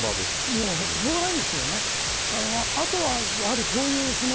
しょうがないですよね。